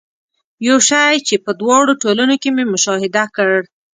یو شی چې په دواړو ټولنو کې مې مشاهده کړ.